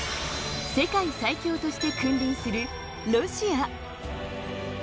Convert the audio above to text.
世界最強として君臨するロシア。